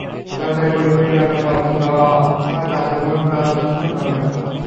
সরকারের কোটি কোটি টাকা গচ্ছা যাওয়া ছাড়া কাজের কাজ কিছুই হবে না।